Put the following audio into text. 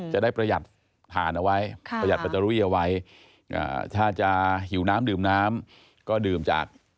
จะได้ประหยัดผ่านเอาไว้ค่ะประหยัดปัจจุริย์เอาไว้อ่าถ้าจะหิวน้ำดื่มน้ำก็ดื่มจาก